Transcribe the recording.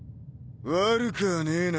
悪くはねえな。